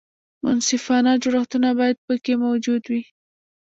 منصفانه جوړښتونه باید پکې موجود وي.